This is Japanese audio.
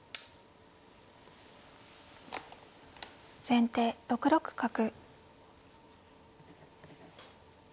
先手６六角。